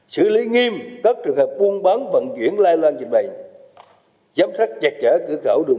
sử lý nghiêm cất trường hợp buôn bán vận chuyển lai loan dịch bệnh giám sát chặt chở cửa khẩu đường